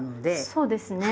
そうですね。